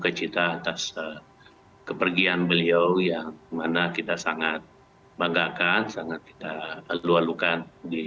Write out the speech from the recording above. kita juga cita atas kepergian beliau yang mana kita sangat banggakan sangat kita lalu lalukan